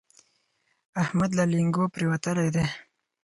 احمد له لېنګو پرېوتلی دی.